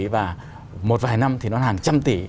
và một vài năm thì nó hàng trăm tỷ